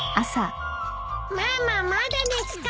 ママまだですか？